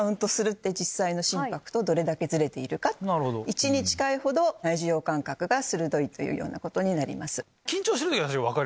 １に近いほど内受容感覚が鋭いということになります。